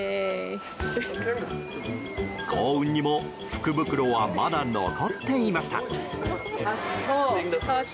幸運にも福袋はまだ残っていました。